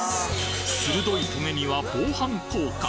鋭いトゲには防犯効果。